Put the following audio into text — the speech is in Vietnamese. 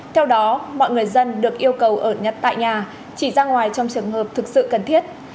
theo đó mọi người dân được yêu cầu ở nhật tại nhà chỉ ra ngoài trong trường hợp thực sự cần thiết